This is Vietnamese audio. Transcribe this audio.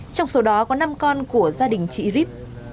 trong số đó có năm con của gia đình chị ip